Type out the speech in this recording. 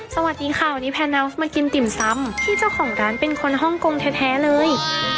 สวัสดีค่ะวันนี้แพนัสมากินติ่มซ้ำที่เจ้าของร้านเป็นคนฮ่องกงแท้เลย